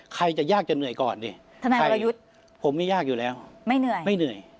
ใครจะยากจะเหนื่อยก่อนดิทนายยุทธผมไม่ยากอยู่แล้วไม่เหนื่อยไม่เหนื่อย